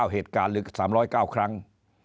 เหตุการณ์หรือ๓๐๙ครั้ง